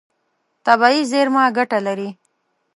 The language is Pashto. طبیعي زیرمه ګټه لري.